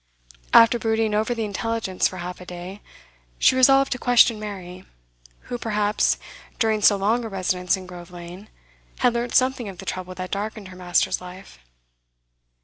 After brooding over the intelligence for half a day, she resolved to question Mary, who perhaps, during so long a residence in Grove Lane, had learnt something of the trouble that darkened her master's life.